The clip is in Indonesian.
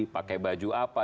pakai baju apa